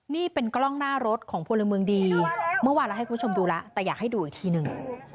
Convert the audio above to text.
นี่เป็นกล้องหน้ารถของพลเมืองดีเมื่อวานเราให้คุณผู้ชมดูแล้วแต่อยากให้ดูอีกทีหนึ่ง